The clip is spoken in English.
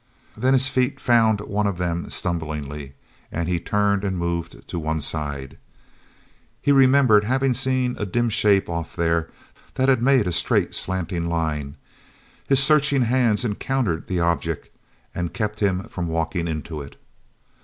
Then his feet found one of them stumblingly, and he turned and moved to one side. He remembered having seen a dim shape off there that had made a straight slanting line. His searching hands encountered the object and kept him from walking into it.